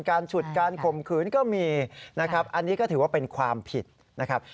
ฉุดการข่มขืนก็มีนะครับอันนี้ก็ถือว่าเป็นความผิดนะครับ